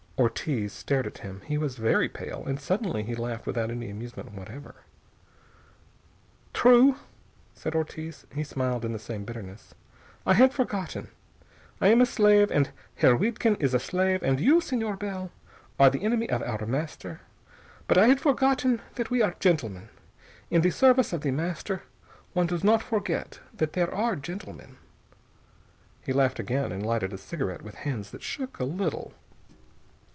Ortiz stared at him. He was very pale. And suddenly he laughed without any amusement whatever. "True," said Ortiz. He smiled in the same bitterness. "I had forgotten. I am a slave, and the Herr Wiedkind is a slave, and you, Señor Bell, are the enemy of our master. But I had forgotten that we are gentlemen. In the service of The Master one does forget that there are gentlemen." He laughed again and lighted a cigarette with hands that shook a little.